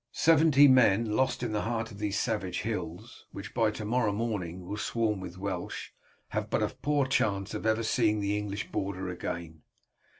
Seventy men lost in the heart of these savage hills, which by to morrow morning will swarm with Welsh, have but a poor chance of ever seeing the English border again."